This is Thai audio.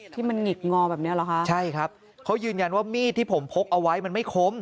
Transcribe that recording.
ที่มันหงิกงอแบบเนี้ยเหรอคะใช่ครับเขายืนยันว่ามีดที่ผมพกเอาไว้มันไม่คุ้ม